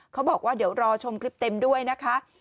เขาบอกว่าเดี๋ยวรอชมคลิปเต็มด้วยนะคะ